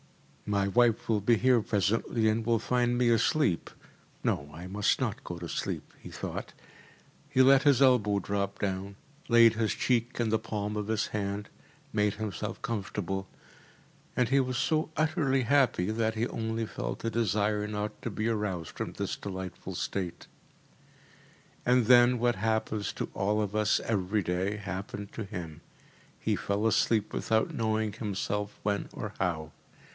“My wife will be here presently and will find me asleep. No, I must not go to sleep,‚ÄĚ he thought. He let his elbow drop down, laid his cheek in the palm of his hand, made himself comfortable, and was so utterly happy that he only felt a desire not to be aroused from this delightful state. And then what happens to all of us every day happened to him he fell asleep without knowing himself when or how.